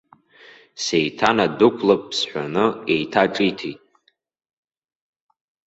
Сеиҭанадәықәлап сҳәоны еиҭаҿиҭит.